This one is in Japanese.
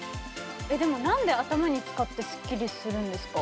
何で頭に使ってすっきりするんですか？